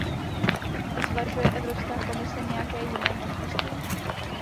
Zvažuje Evropská komise nějaké jiné možnosti?